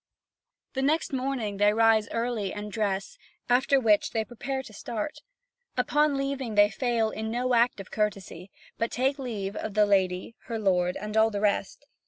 The next morning they rise early, and dress, after which they prepare to start. Upon leaving, they fail in no act of courtesy, but take leave of the lady, her lord, and all the rest.